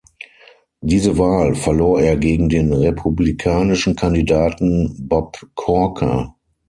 Diese Wahl verlor er gegen den republikanischen Kandidaten Bob Corker.